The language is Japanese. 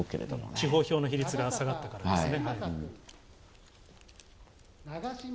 地方票の比率が下がった感じですね。